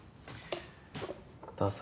どうぞ。